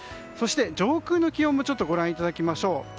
そして、上空の気温もご覧いただきましょう。